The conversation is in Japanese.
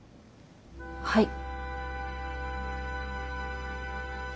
はい。